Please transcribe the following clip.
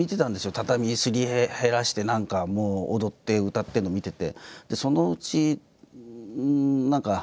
畳すり減らして何かもう踊って歌ってるの見てて。